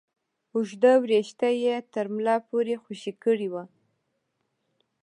اوږده ويښته يې تر ملا پورې خوشې کړي وو.